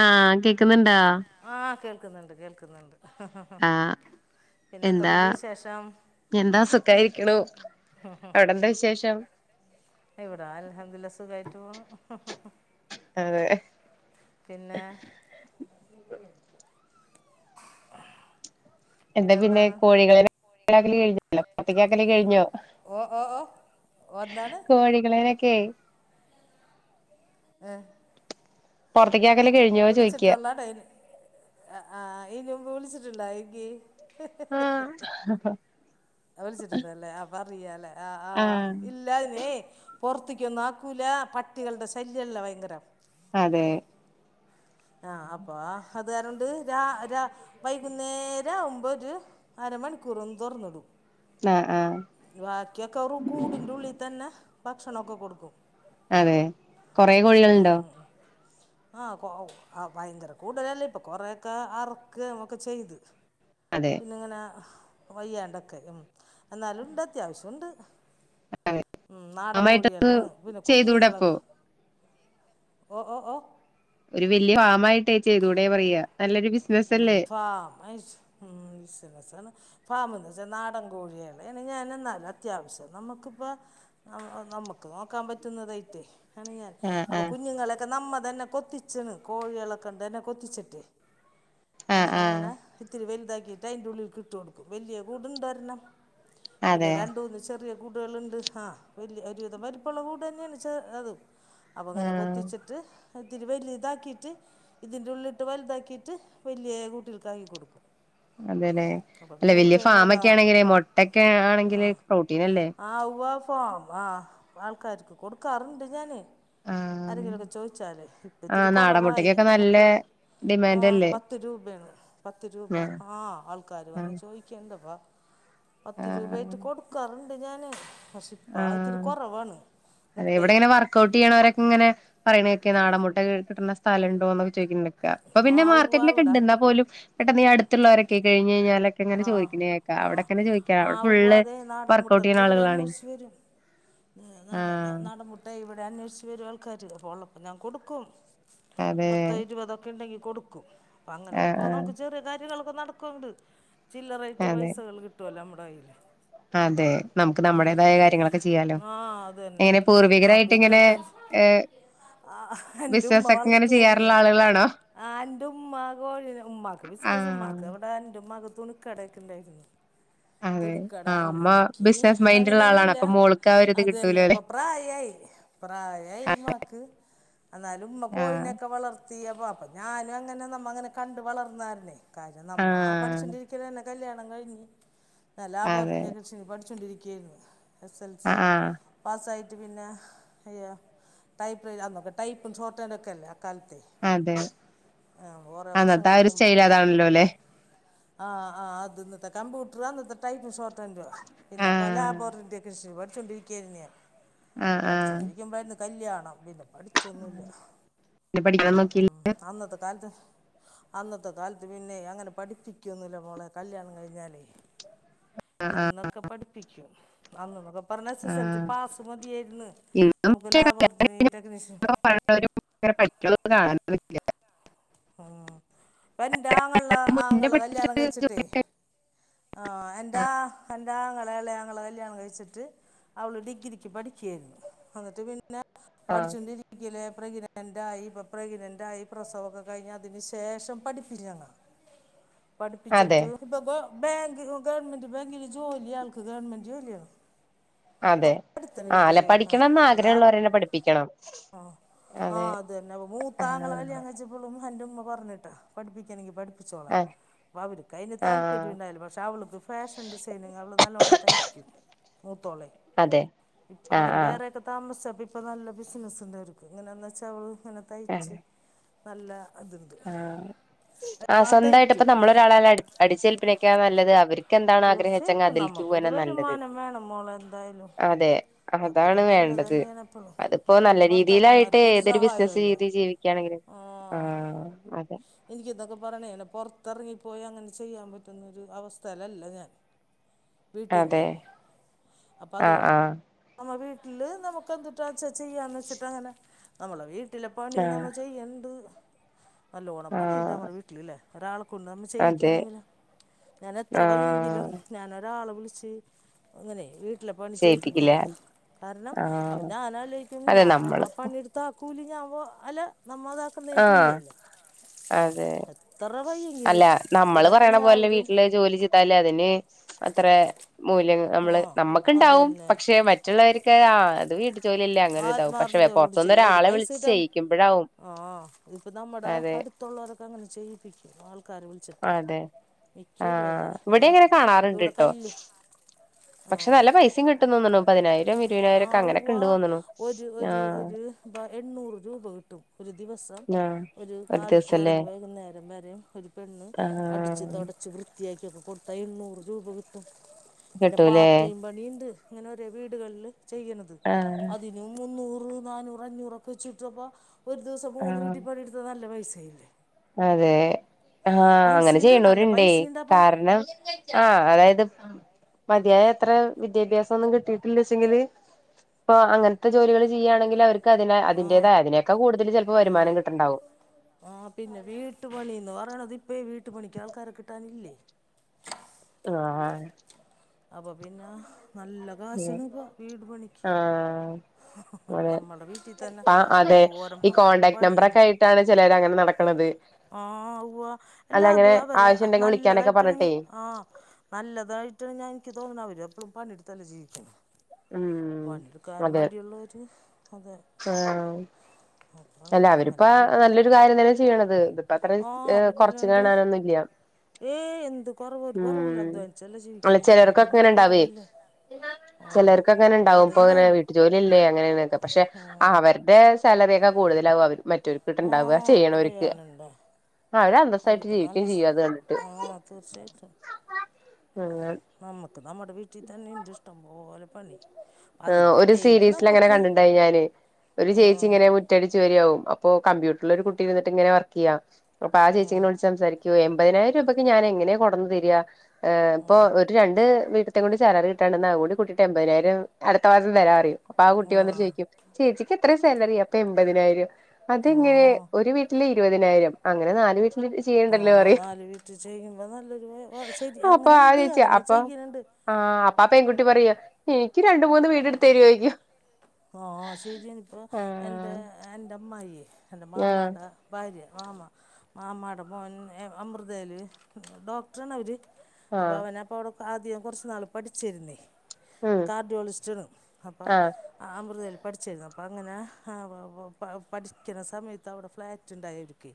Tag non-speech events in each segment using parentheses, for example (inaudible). ആഹ കേക്കുന്നുണ്ടാ. ആ കേൾക്കുന്നുണ്ട് കേൾക്കുന്നുണ്ട്. ആഹ് പിന്നെ എന്താ എന്തൊക്കെയുണ്ട് വിശേഷം എന്താ സുഖായിരിക്കണു അവിടെന്താ വിശേഷം? ഇവിടാ അൽഹംദുലില്ല സുഖായിട്ട് പോണ്. അതെ പിന്നെ ഉ ഉ എന്താ പിന്നെ പിന്നെന്താണ് കോഴികളെ ല് കഴിഞ്ഞിട്ടില്ല കത്തിക്കാക്കല് കഴിഞ്ഞോ? ഓ ഓ ഓ വന്നാണ്. കെ ങാ ഹ പൊറത്ത്. വിളിച്ചിട്ടൊള്ളാ ഡെയ്ലി ആ ആഹ നി ഇതിനു മുമ്പ് വിളിച്ചിട്ട്ണ്ടാ എന്കി ങാ പ അറിയാലെ. ആഹ ആഹ് ഇല്ലാതനേ. പൊറത്തേക്കൊന്നും ആക്കൂല പട്ടികളുടെ ശല്യല്ല ഭയങ്കരം. അതെ ആഹ അപ്പൊ അത് കാരണ്ട് രാ രാ- വൈകുന്നേര ആവുമ്പോ ഒരു അരമണിക്കൂറ ഒന്ന് തുറന്നിടും. ആ ആ വാക്കിയൊക്കൊറു കൂടിൻ്റുള്ളി തന്നെ ഭക്ഷണൊക്കെ കൊടുക്കും അതെ കൊറെ കോഴികൾണ്ടോ ആ കൊ ഒ അ വയങ്കര കൂടുതലല്ല ഇപ്പൊ കൊറേ ഒക്ക അറക്കെം ഒക്കെ ചെയ്ത് അതെ പിന്നെങ്ങനെ വയ്യാണ്ടൊക്കെ ഉം എന്നാലും (unintelligible) അത്യാവശ്യണ്ട് ഉം നാടൻ ഫാമായിട്ടൊന്ന് കോഴ്യേളാണ് പിന്നെ ചെയ്തൂടെ കുഞ്ഞുങ്ങള അപ്പൊ ഓ ഓ ഓ ഒരു വല്ല്യെ ഫാമായിട്ടെയ് ചെയ്തൂടെ പറയ നല്ലൊരു ബിസ് ഉം (unintelligible) ഉം ബിസിനസാണ് ഫാമ്‌ന്നെച്ച നാടൻ കോഴ്യേളേണ് ഞാന് ന്നാലു അത്യാവശ്യം നമുക്ക് പ്പൊ അ അ നമുക്ക് നോക്കാൻ പറ്റുന്നതായ്റ്റെയ് ആണ് ഞാൻ ആഹ് അപ്പൊ ആഹ് കുഞ്ഞുങ്ങളെക്കെ നമ്മ (unintelligible) കൊത്തിച്ച്ണ് കോഴ്യേളേക്കൊണ്ടെന്നെ കൊത്തിച്ച്ട്ടെ ആഹ് അങ്ങനെ ആഹ് അങ്ങനെ ഇത്തിരി വെൽ ണ്ടാക്കീട്ടയ്ന്റെുള്ളിൽക്കിട്ടൊട്ക്കും വല്ല്യെ കൂട്ണ്ടൊര്ണം പിന്നെ അതെ രണ്ടൂന്ന് ചെറിയ കൂടേള്ണ്ട് ആ വല്ല്യ ഒരുവിധം വലിപ്പള്ള കൂടെന്നെണ് ചെ അത് അപ്പൊങ്ങനെ ആഹ് കൊത്തിച്ചിട്ട് അതിരു വല്താക്കീറ്റ് ഇതിൻ്റുള്ളിട്ട് വൽതാക്കീറ്റ് വല്ല്യേ കൂട്ടിൽക്കാക്കി കൊടുക്കും (unintelligible) അപ്പോൾ അല്ല പിന്നെ വല്ല്യെ അയിറ്റങ്ങൾ അവിടെ ഫാമൊക്കെ ആ ആണെങ്കിലെയ് മൊട്ടക്കെ ആണെങ്കില് പ്രോട്ടീനല്ലേ (unintelligible) ആൾക്കാർക്ക് കൊടുക്കാറ്ണ്ട് ഞാന് ആഹ് ആരെങ്കിലൊക്കെ ചോയ്ചാലെയ് ഇപ്പത്തിരി ആഹ് നാടൻ കൊറവായി മുട്ടക്കൊക്കെ മുട്ട നല്ല (unintelligible) ആ ഡിമാൻഡ് അല്ലേ (unintelligible) പത്ത് രൂപ ആഹ് ആ ആൾക്കാര് വന്ന് ആഹ് ചോയ്ക്ക്ണ്ട് പത്ത് രൂപായ്റ്റ് കൊടുക്കാറ് (unintelligible) ഞാന് പക്ഷെ ആ ഇപ്പ ഇത്തിരി കുറവാണ് അതെ മുട്ടേ എവിടെ ഇങ്ങനെ വർക്ക്ഔട്ട് ചെയ്യണരൊക്കെ ഇങ്ങനെ പറയണ നാടൻ മുട്ട കിട്ടന്ന സ്ഥലംണ്ടോന്നക്കെ ചോയിക്കിണ്ടണ്ട് അപ്പൊ പിന്നെ ആഹ് ഉവ്വ മാർക്കറ്റിലൊക്കെ ഇവിടെ ഉണ്ടന്നാ പോലും കേട്ടാ നീയടുത്തുള്ളോരൊക്കെ കഴിഞ്ഞ്ഴഞ്ഞ (unintelligible) ങ്ങനെ ആഹ് ചോദിക്കണ കേക്കാം ആഹ് അവിടെക്കനെ ചോദിക്കാ അവിടെ ആഹ് ഫുള് വർക്ക്ഔട്ട് ചെയ്യുന്ന ആളുകളാണേ (unintelligible) ഞാൻ അന്വേഷിച്ച് വരും ആൾക്കാര് പോകണം ഞാൻ കൊടുക്കും അതെ പത്തോ ഇരുപതോ ഒക്കെ ഉണ്ടെങ്കിൽ കൊടുക്കും അങ്ങനെ ആഹ് കൊടുകൂ ആഹ് നമുക്ക് ചെറിയ കാര്യങ്ങൾ ഇപ്പം നടക്കുണ്ട് ചില്ലറായിട്ട് അതെ പൈസകൾ കിട്ടുമല്ലോ മ്മൾ പറയൂലേ അതെ നമുക്ക് മ് മ് നമ്മുടേതായ കാര്യങ്ങളൊക്കെ ചെയ്യാലോ ആ അത് തന്നെ എങ്ങനെ ആപ്പ പൂർവികരായിട്ട് ഇങ്ങനെ ഇരുപത്തഞ്ച് ഏഹ് ആ എന്റ ഉമ്മ ബിസിനസ് ഒക്കെ ഇങ്ങനെ വളർത്തുവാരുന്ന് ചെയ്യാറുള്ള ആളുകളാണോ ആ എന്റെ ഉമ്മാ കോഴ ഉമ്മാക്ക് ബസന ആഹ് ഉമ്മാക്ക് അവിടെ എന്റെ ഉ്മ്മക്ക് തുണി കടക്കണ്ടായിരുന്നു അതെ തുണിക്കട ആഹ് അന്ന അമ്മ എനിക്ക് ബിസിനസ് മൈൻഡ് ഉള്ള ആളാണ് അങ്ങനെയൊന്നുല്ല അപ്പൊ മോൾക്ക് ആ ഒരു ഇത് അത് തന്നെ കിട്ടൂലോ അല്ലെ ഇപ്പം പ്രായായി പ്രായായി ഉമ്മാക്ക് എന്നാലും ഉമ്മ ആഹ് കോഴിനെൊക്കെ വളർത്തിയവർ ഞാനും അങ്ങനെ നമ്മ അങ്ങനെ കണ്ട് വളർന്നയല്ലേ കാര്യം നമ്മ ആഹ് പഠിച്ചോണ്ടി കല്യാണം കഴിഞ്ഞ് ന ലാബോട്ട് അതെ ടെക്നീഷ്യൻ പഠിച്ചുകൊണ്ടിരി (unintelligible) എസ്എൽസി ആഹ് ആഹ് പാസായി പിന്നെ അയ്യോ ടൈപ്പ് അന്നൊക്കെ ടൈപ്പും (unintelligible) ഒക്കെയല്ലേ അതെ കുറേ അന്നത ഒരു വർഷങ്ങൾക്ക് സ്റ്റൈൽ അതാണല്ലോ അല്ലെ ആ ആ അത് ഇന്നത്തെ കമ്പൂട്ടർ അന്നത്തെ ടൈപ്പ് ഷോർട്ട്ന്റും പിന്നെപ്പം ആഹ് ലാബ് (unintelligible) ടെക്നീഷ്യൻ ച്ചോണ്ടിരിക്കല്ലിയോ ആഹ് ആഹ് പഠിച്ചോണ്ടിരിക്കുമ്പോ (unintelligible) കല്യാണം വിന് പഠിച്ചൊന്നുല്ല പിന്നെ പഠിക്കണം നോക്കിയില്ല ഉം അന്നത്തെ താലത്ത് അന്നത്തെ താലത്ത് പിന്നെ അങ്ങനെ പഠിപ്പി ക്കൊന്നുല്ല മോളെ കല്യാണം കഴിഞ്ഞാല് ആഹ് ഇന്നൊക്കെ പഠിപ്പിക്കും അന്ന്തകം അന്ന് എസ് എസ് എൽ സി ആഹ് പാസ് മതിയായിരുന്നു ഇന്നും നമുക്ക് ലാബോറട്ടറി ടെക്നീഷ്യൻ ഇല്ല ഉം ആ എന്റൊ മുന്നേ പഠിച്ചിട്ട് എൻന്റെറെങ്ങളളെ ങ്ങളെ കല്യാണം കഴിച്ചിട്ട് അവള് ഡഗ്രിക്ക് പഠിക്കായിരുന്നു അന്നിട്ട് (unintelligible) ആഹ് ചുണ്ടരി ക്കൽ പ്രഗ്നന്റായി ഇപ്പൊ പ്രഗ്നന്റ്ായി പ്രസവൊക്കെ കഴിഞ്ഞഞ് അതിന് ശേഷം പഠിപ്പിച്ച ങ്ങ അതെ പഠിപ്പിച്ചിട്ട് ഇപ്പൊ ബാങ്ക് ഗവൺമെന്റ് ബാങ്കില് ജോലി ആൾക്ക് ഗവൺമെന്റ് ജോലിയോ അതെ തൊട്ടടുത്തന്നെ ആഹ് കിട്ടി അല്ല ജോലി ആ പഠിക്കണംന്ന് അതവാ ആഗ്രഹമുള്ളവരെന്നെ പഠിപ്പിക്കണം ആ ആ അതെ അത് തന്നെ അ ആഹ് മൂത്താങ്കെള കല്യാണംകഴിച്ചപ്പോളും എന്റെ പറഞ്ഞിട്ട് പഠിപ്പിക്കെണെങ്കിപഠിപ്പ ആഹ് (unintelligible) ആഹ് ണ്ടായില്ല പക്ഷെ അവൾക്ക് ഫാഷൻ ഡിസൈനി അവള് നല്ലോണ്ണം തയ്ക്കും ഓ (unintelligible) അതെ ഇപ്പ ആഹ് അവര് ആഹ് വേറെക്കെ താമസിച്ച അപ്പോൾപ്പപ്പോ നല്ല ബിസിനസ് ഉണ്ടായിരിക്കും ഇങ്ങനെയാന്ന് വെച്ചൽൾ ക്ഷണ തയ്ച്ച് നല്ല ഇതുണ്ട് ആ ആ സ്വന്തയിട്ട് ഇപ്പ നമ്മളൊരാളായിട്ട് അടി അടിചെൽപ്പ ക്കെയ നല്ലത് അവർ എന്ത ആഗ്രഹിച്ചെങ്ക തീർച്ചയായിട്ടും അതിലക്ക് നമുക്കൊരു പോകാനാ നല്ലത് വരുമാനം വേണം മോളെ എന്തായാലും അതെ അതൊരു അതാണ് നല്ലത് വേണ്ടത് തന്നെയാണ് എപ്പോഴും അതിപ്പോ നല്ല നമ്മുടെ രീതിയിലായിട്ട് ഭർത്താക്കന്മാർക്ക് ഒരു ഏതൊരു ബിസിന സഹായമല്ലേ രീതി ജീവിക്കുകയാണെങ്കും ആ ഇനിക്ക്ന്തക്ക പറാന പൊറത്ത ഉറങ്ങിപ്പോയി അങ്ങനെ ചെയ്യാൻ പറ്റുന്നൊ ഒരു അവസ്ഥ അ അല്ല ഞാൻ വീട്ടീന്ന അതെ അപ്പൊ ആഹ് അതുകൊണ്ട് ആഹ് നമ്മ വീട്ടി നമ്മുക്കെന്തുട്ടാ ചെയ്യാന്ന്ച്ചിട്ട അങ്ങനെ നമ്മള വീ വീട്ടിലപണി ആഹ് നമ്മച്ചയ്യണ്ട് അ ലോണമ്പാ നീന്താ ആഹ് മ വട്ടല ലേ ഒരാൾക്ക് നമ്മ അതെ ചെയ്യിക്കുകയാണെങ്കിലോ ഞൻ എ അത്ര വയെങ്കിലും ആഹ് ഞാനൊരു ആ ആളെ വിളിച്ച് അങ്ങനെ വീ പണി ചെയ്യിപ്പിക്കില്ലേ ചെയ്പ്പിക്കൂല കാരണം അപ്പൊ ആഹ് ഞാനാല്ലിക്കും അതെ ഞാനപ്പ നമ്മള് പണെടുത്ത ആ കൂലിഞ്ഞ ആകുമ്പോൾ അല്ല നമ്മൾ അതാക്കുന്നതിന് ആഹ് തുല്യല്ലേ ആ അതെ എത്ര അല്ല വയ്യെങ്കിലും നമ്മള് ഇവിടെയൊക്കെ പറയണ പോലെ എല്ലാവരും വീട്ടില് (unintelligible) അതിന് അത്ര മൂല്യങ്ങ ആ നമ്മള് അത് നമ്മുക്കുണ്ടാവും തന്നെ പക്ഷെ മറ്റുള്ളവർക്ക് ആ അത് വീട്ടിൽ ജോലില്ലേ അങ്ങനെ ഇതാവും പക്ഷേ ആത്മാർത്ഥതയോട് പുറത്തനിന്ന് ചെയ്യാം ഒരാളെ വിളിച്ച് ചെയ്യിക്കുമ്പഴാവും ഇപ്പൊ നമ്മുടെ അടുത്തുള്ളവരൊക്ക അങ്ങനെ ചെയ്യിപ്പിക്കും ആൾക്കാരെ വിളിച്ചിട്ടേ അതെ ആ മിക്കവരും അതെ ഇവിടെ ഇപ്പം എങ്ങനെ ഇവിടെ കാണാറുണ്ട്ട്ടോ കല്ല് പക്ഷെ ആ നല്ല പൈസയും കിട്ടുന്നന്നല്ലോ ആ ഉവ്വ ഒജി ഒജി ആഹ് ഒജ് എണ്ണൂറ് രൂപ (inaudible) ഒരു ദിവസം ആഹ് ഒരു കാലത്ത് തുടങ്ങി വൈകുന്നേരം വരെ (unintelligible) പെണ്ണ് അടിച്ച് ആഹ് തുടച്ച് വൃത്തിയാ കൊടുത്ത എണ്ണൂറ്റ് രൂപ കിട്ടും പിന്നെ കിട്ടൂലേ പാർട്ടേമ് പണീണ്ട് അങ്ങനെ ഒര് വീടുകളില് ചെയ്യണത് ആഹ് അതിനും മുന്നൂ നാനൂറ് അഞ്ഞൂറൊക്കെ (unintelligible) ഒരു ദിവസം മൂന്ന് ആഹ് വീട്ടി പണി എടുത്ത നല്ല പൈസ് (inaudible) അതെ ആാ അങ്ങനെ പൈസയുണ്ട് നല്ല ചെയ്യണവരുണ്ടേ പൈസയുണ്ട് ആ പണി കാരണം ആ അതായത് മതിയായ എത്ര വിദ്യാഭ്യാസം ഒന്നും കിട്ടിയിട്ടില്ലച്ചെങ്കില് ഇപ്പൊ അങ്ങനത്തെ ജോലികള് ചെയ്യയാണെങ്കിൽ അവര് (unintelligible) ആ അതിന്റോയ അതിനൊക്കെൂടുതല് ആ വരുമാന കിട്ടുണ്ടാവും ആ പിന്നെ വീട്ടുപണിന്ന് പറയണത് ഇപ്പ വീട്ടുപണിക്ക് ആൾക്കാരെ കിട്ടാനില്ലേ ആാാ അപ്പൊ പിന്നെ നല്ല അതെ കാശനും വീട് പണിക്ക് ആഹ് അതെ നമ്മടെ വീട്ടിൽ തന്നെ ആഹ് അതെ എന്തോരം ഈ കോണ്ടാക്ട് പണിയുണ്ട് നമ്പറൊക്കെ ആയിട്ടാണ് ചിലര് അങ്ങനെ നടക്കണത് ആ വ അല്ല അങ്ങനെ എല്ലാതും അവര് ആവശ്യം ഉണ്ടെങ്കിൽ വിളിക്കാനൊക്കെ നല്ലതായിട്ടണഞ്ഞ പറഞ്ഞിട്ടേ ആഹ നല്ലതായിട്ടണഞ്ഞ എനിക്ക് തോന്നണ അവര് എപ്പഴും പഞ്ഞി എടുത്തല്ല ജീവിിക്കൻ ഉം പണിയെടുക്കൻ അതെ മടിയുള്ളര് അതെ ആഹ് അതാണ് അല്ല അപ്പൊ അങ്ങനെ അവരിപ്പ ജയിപ്പിക്കും നല്ലൊരു കാര്യം തന്നെ ചെയ്യണത്. ഇതിപ്പോ അത്ര ആ കൊറച്ച് പിന്നല്ലാണ്ട് കാണാനൊന്നുംല്ല ഏയ് എന്ത് കുറവ് ഒരു കുറവില്ല ഉം അധ്വാനിച്ചല്ലേ അല്ല ജീവിക്കുന്നത് ഇതിലൊന്നും ചിലർക്കങ്ങനെ ഒരു ഉണ്ടാവേ കുറവില്ല ആ ചിലർക്കങ്ങനെ ഉവ്വ ണ്ടാവും അങ്ങനെ അതുണ്ടാവും വീട്ട ജോലില്ലേ അങ്ങനൊക്കെ പക്ഷെ ആ അവര്ടെ തലവേദന കൂടുതലാകും അവരും. മറ്റൊർക്ക് ഇട്ടുണ്ടാവുക ആഹ് ചെയ്യണവർക്ക് പറയാനുണ്ടോ അവർ അന്തസായിട്ട് അവർക്ക് നല്ല ജീവിക്കയും ചെയ്യും അത് കണ്ടിട്ട് ആഹ് തീർച്ചയായിട്ടും ആഹ് നമ്മക്ക് നമ്മുടെ വീട്ടിൽ തന്നെ ഇഷ്ടം പോലെ (unintelligible) ആഹ് അതിന്റെ ഒരു ഇടയിൽ സീരീസൽ അങ്ങനെ നമ്മക്ക് കണ്ടിണ്ടായി ഞാന് ഒരു ചേച്ചി ആഹ് ഇങ്ങനെ മുറ്റടിച്ച് വരിയാവും. ഇപ്പൊ കമ്പ്യൂട്ടറിൽ ഒരു കുട്ടി വന്നിട്ട് ഇങ്ങനെ വർക്ക് ചെയ്യാം. അപ്പൊ ആഹ് ചേച്ചിങ്ങനെ വിളിച്ച് സംസാരിക്കേ എം പതിനായിരം രൂപയ്ക്ക് ഞാനെങ്ങെനെ കൊട്ന്ന് തെരാ? ഏ ഇപ്പൊ ആഹ് ഒരു രണ്ട് വീട്ട്ത്തെക്കൂടി സാലറി കിട്ടാണ്ട് ഇന്നാ അഹ്കൂടി കുട്ടീട്ട് എമ്പയിനായിരം. അടുത്ത മാസം തരാം പറയും. അപ്പൊ ആഹ് കുട്ടി വന്നിട്ട് ചോയിക്കും ചേച്ചിക്ക് എത്ര സാലറി അപ്പൊ എൺമ്പതിനായിരം അതെങ്ങനെ ആഹ് ഒരു വീട്ടില് ഇരുവതിനായിരം അങ്ങനെ നാല് വീ ആഹ് നാല് വീട്ടിൽ ചെയ്യ്മ്പോ നല്ലൊരു ശരി അപ്പൊ ആ അങ്ങനെണ്ട് ചേച്ചി അങ്ങനെ അപ്പൊ ചെയ്യ്ണ് ണ്ട്- ആ ആ അപ്പൊ പെങ്കുട്ടി പറയ എ ക്ക് രണ്ടുമൂന്ന് വീട് ഇട്ത്തെരോയ്ക്ക്യോ? ആഹ് സെര്യാണ് ഇപ്പൊ എന്റെ എന്റെ അമ്മായി എന്റെ ആഹ് മാമാടേ ഭാര്യ മാമ മാമാടെ മോൻ അമൃതേല് ഡോക്ട്രാണവര് ആഹ് അപ്പൊവനപ്പവ് ആദ്യം കൊർച്ച് നാള് പഠിച്ചിര്ന്നേയ് ഉം കാർഡിയോളിസ്റ്റണ് അപ്പ ആഹ് അമൃതൽ പഠിച്ചിര്ന്നു അപ്പങ്ങനെ പഠിക്ക്ണ സമയത്ത് അവടെ ഫ്ലാറ്റ് ഉണ്ടായിട്ക്ക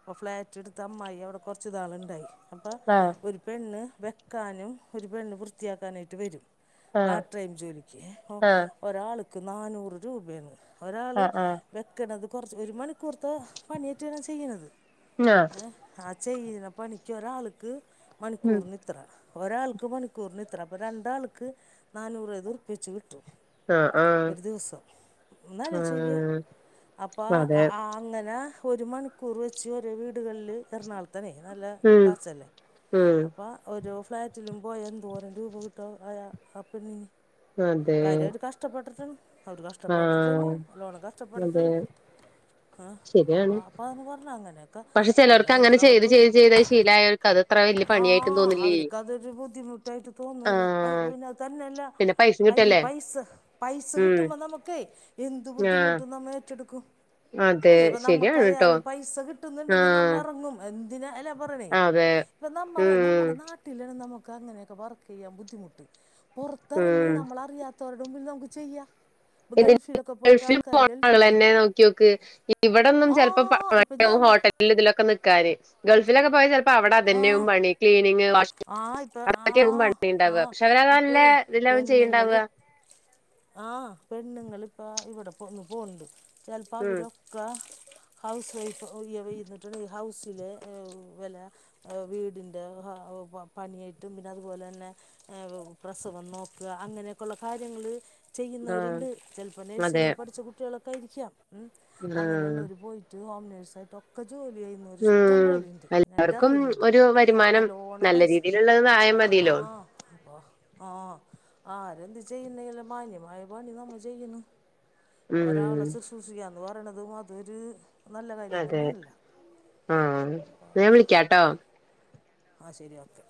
അപ്പോ ഫ്ലാറ്റ് ഇട്ത്തമ്മായി അവടെ കൊർച്ച് നാള്ണ്ടായി അപ്പ ആഹ് ഒരു പെണ്ണ് വെക്കാനും ഒരു പെണ്ണ് വൃത്തിയാക്കാനായിട്ട് വരും ആഹ് പാർ ട്രൈം ജോലിക്കേ ആഹ് ഒരാള്. ക്ക് നാനൂറ് രൂപെന്ന്. ഒരാള് ആഹ് ആഹ് ആഹ് വെക്കണത്. കൊറച്ച് പേര് മണിക്കൂർത്തെ പണിയേറ്റാണ ചെയ്യണന്നത്. ഏ അ ചെയന പണിക്ക് ഒരാളിക്ക്. ഉം മണിക്കൂറിന് നിത്ര. ഒരാൾക്ക് മണിക്കൂറിന് ഇത്ര. അപ്പൊ രണ്ടാൾക്ക് നാനൂറ് റു പ്പിച്ച് കിട്ടും. ആഹ് ആഹ് ഒരു ദിവസം ഒന്ന് ന്നാലോ ച്ചിച്ചു നോക്കിയേ. ഉം അപ്പ അ അതെ അങ്ങനെ. ഒരു മണിക്കൂർ വെച്ച് ഒരേ വീടുകളില് എറണാളം. ത്തനെ നീ നല്ല ഉം കാശല്ലേ ഉം അപ്പ ഒരു. (unintelligible) (unintelligible) അതെ കാര്യാട്ട് കഷ്ടപ്പെട്ടിട്ടണ്ട്. അവര് കഷ്ടപ്പെട്ടിട്ട് ആഹ് തന്നെയണ്. അല്ലോണം അതെ കഷ്ടപ്പെട്ടിട്ടാണ്. ങാ അപ്പൊ ശരിയാണ് അപ്പ അതു പറഞ്ഞ അങ്ങെനെ. ക്ക പക്ഷെ ചിലർക്ക് ന്ന അങ്ങനെ എന്നത ചെയ്ത് മൊത്തൊല്ല. ചെയ്ത് ചെയ്ത് ശീലായവർക്ക് അത് അത്ര വല്യ പണിയായിട്ടും ആഹ് തോന്നില്ലേ അവർക്ക്തൊരു ബുദ്ധിമുട്ടായിട്ട് തോന്നൂല. ആഹ് (unintelligible) തന്നെല്ല പിന്നെ പൈസയും കൈയി കിട്ടല്ലേ പൈസ പൈസ കി ഉം മ്പോ നമുക്കേ എന്ത് ആഹ് ബുദ്ധിമുട്ടും നാം ഏറ്റെടുക്കും. അതെ, ശരിയാണ് ട്ടോ. ന്നുണ്ടെങ്കിൽ ആഹ് നമ്മറങ്ങും എ ഇല എല്ല പറണേ. അതെ ഇപ്പ നമ്മെടെ ഉം നമ്മെടെ നാട്ടിലാണ് നമു കങ്ങനെയൊക്കെ വർക്ക് ചെയ്യാൻ ബുദ്ധിമുട്ട്. പുറത്തെറങ്ങി ഉം നമ്മളറിയാ പറും ഇൽ നമ്മെക്ക് ചെയ്യാ. ഗൾഫിൽ പോ ഗൾഫിൽ നിങ്ങള് പോകും എന്നെ നോക്കി നിക്ക്. ഇവിടൊന്നും ആ ചെലപ്പോ ഇപ്പം ഞാൻ പ- ഹോട്ടലിൽ ഇതിലൊക്കെ നിക്കാന്. ഗൾഫിലൊക്കെ (unintelligible) അപ്പ അവിടെ അതന്നെയവും ആ പണി ക്ലീനിങ് (unintelligible) ആ ഇപ്പ ആ അതൊക്കെയ പണി ആ ഉണ്ടാവുക പക്ഷെ അവരത് അല്ല ഇപ്പേ (unintelligible) പെണ്ണുങ്ങള് ചെയ്യ്ണ്ടാവുക പെണ്ണുങ്ങള് ഇപ്പ ഇവിടെ പോ പോകുന്നുണ്ട് ഉം ചെലപ്പവരൊക്കാ ഹൗസ് വൈഫ് (unintelligible) ഹൗസിലെ വെല വീടിന്റെ പണിയായിട്ടും പിന്നെ അതുപോലെ തന്നെ പ്രസവം നോക്കുക അങ്ങനെയൊക്കെയുള്ള കാര്യങ്ങള് ആഹ് ചെയ്യുന്നവരുണ്ട് ചെലപ്പോ അതെ നേഴ്സിംഗ് പഠിച്ച കുട്ടികളൊ ക്ക്യായിരിക്കാം ഉം ആഹ് അങ്ങനെയുള്ളവര് പോയിട്ട് ഹോം നേ നേഴ്സായിട്ടൊക്കെ ജോലി ചെയ്യുന്നോര് ഇഷ്ടം ഉം പോലുണ്ട് എന്റെ എല്ലാവർക്കും അറിവിലിണ്ട് ഒരു വരുമാനം നല്ല രീതിയിലുള്ളത് ആയാ മതില്ലോ ആഹ് ആരെന്ത് ചെയ്യുന്നേലും മാന്യമായ പണി നമ്മൾ ചെയ്യുന്നു ഉം ഒരാള് ശുശ്രൂഷിക്കാ ന്ന് പറിണത് അതൊരു നല്ല കാര്യം അതെ തന്നെയല്ല ആഹ് ന്നാ ഞാൻ വിളിക്ക്യാട്ടോ ആഹ് ശരി ഓക്കെ